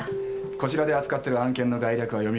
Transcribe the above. こちらで扱っている案件の概略は読み終わりました。